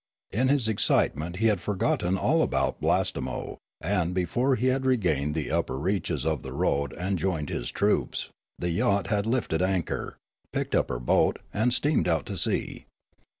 In his excite ment he had forgotten all about Blastemo, and, before he had regained the upper reaches of the road and joined his troops, the yacht had lifted anchor, picked up her boat, and steamed out to sea.